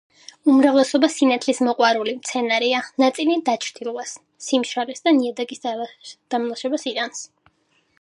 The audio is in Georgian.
უმრავლესობა სინათლის მოყვარული მცენარეა, ნაწილი დაჩრდილვას, სიმშრალეს და ნიადაგის დამლაშებას იტანს.